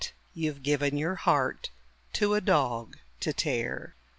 you've given your heart to a dog to tear.